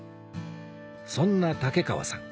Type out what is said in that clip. そんな竹川さん